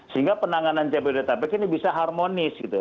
sehingga penanganan jabodetabek ini bisa harmonis gitu